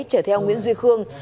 chở theo nguyễn duy khương